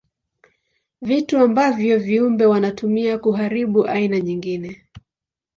Vitu ambavyo viumbe wanatumia kuharibu aina nyingine.